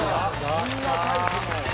そんなタイプの。